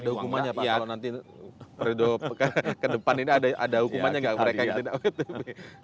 ada hukumannya pak kalau nanti periode ke depan ini ada hukumannya nggak mereka yang tidak ott